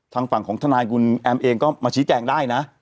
ทางฝั่งของทนายคุณแอมเองก็มาชี้แจงได้นะ